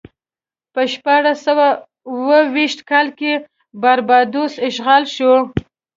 په شپاړس سوه اوه ویشت کال کې باربادوس اشغال شو.